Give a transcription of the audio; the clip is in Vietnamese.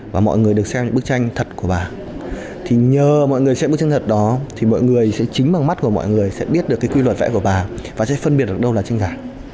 và sẽ phân biệt được đâu là tranh giả